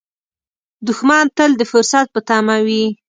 دښمن تل د فرصت په تمه وي